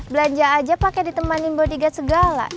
belanja aja pake ditemani bodyguard segala